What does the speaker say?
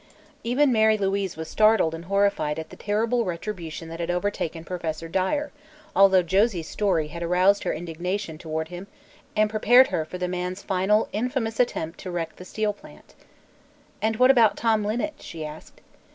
Even Mary Louise was startled and horrified at the terrible retribution that had overtaken Professor Dyer, although Josie's story had aroused her indignation toward him and prepared her for the man's final infamous attempt to wreck the steel plant. "And what about Tom Linnet?" she asked.